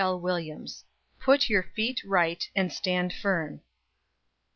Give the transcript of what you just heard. "PUT YOUR FEET RIGHT AND STAND FIRM!"